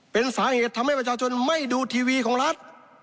เป็นสาเหตุทำให้ประชาชนไม่ดูทีวีของรัฐ